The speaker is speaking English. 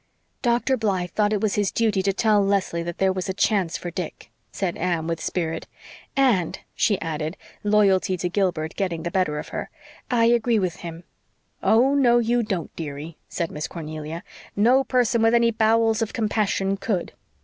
"Dr. Blythe thought it was his duty to tell Leslie that there was a chance for Dick," said Anne with spirit, "and," she added, loyalty to Gilbert getting the better of her, "I agree with him." "Oh, no, you don't, dearie," said Miss Cornelia. "No person with any bowels of compassion could."